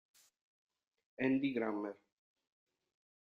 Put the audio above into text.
Andy Grammer